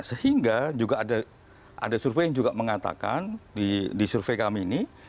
sehingga juga ada survei yang juga mengatakan di survei kami ini